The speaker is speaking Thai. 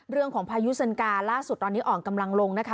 พายุเซินกาล่าสุดตอนนี้อ่อนกำลังลงนะคะ